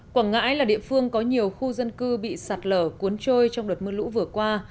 quảng ngãi là địa phương có nhiều khu dân cư bị sạt lở cuốn trôi trong đợt mưa lũ vừa qua